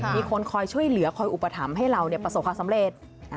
มีคนคอยช่วยเหลือคอยอุปถัมภ์ให้เราประสบความสำเร็จ